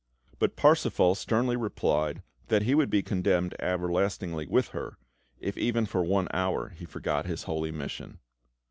But Parsifal sternly replied that he would be condemned everlastingly with her, if even for one hour he forgot his holy mission.